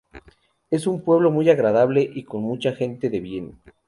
Es un pueblo muy agradable y con mucha gente de bien.